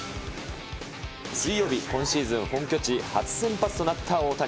水曜日、今シーズン、本拠地初先発となった大谷。